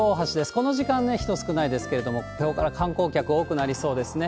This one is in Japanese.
この時間、人少ないですけれども、きょうから観光客多くなりそうですね。